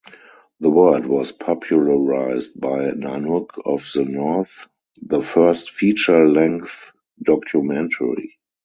The word was popularized by "Nanook of the North", the first feature-length documentary.